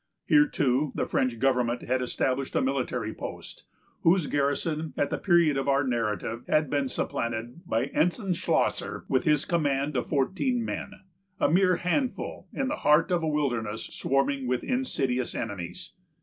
Here, too, the French government had established a military post, whose garrison, at the period of our narrative, had been supplanted by Ensign Schlosser, with his command of fourteen men, a mere handful, in the heart of a wilderness swarming with insidious enemies.